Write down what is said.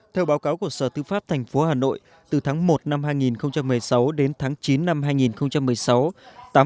theo báo cáo của sở tư pháp tp hà nội từ tháng một năm hai nghìn một mươi sáu đến tháng chín năm hai nghìn một mươi sáu